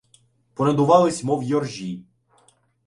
Понадувались, мов йоржі.